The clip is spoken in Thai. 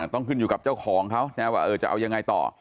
ต้องขึ้นอยู่กับเจ้าของเขานะว่าจะเอายังไงต่อ